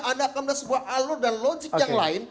anda akan melihat sebuah alur dan logik yang lain